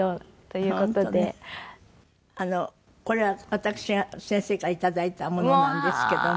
これは私が先生から頂いたものなんですけども。